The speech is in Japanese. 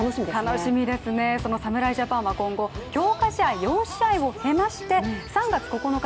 楽しみですね、その侍ジャパンは今後、強化試合４試合を経まして３月９日